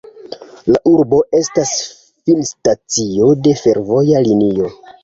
La urbo estas finstacio de fervoja linio.